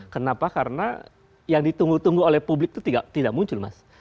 kenapa karena yang ditunggu tunggu oleh publik itu tidak muncul mas